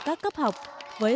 và có hơn một trăm linh trường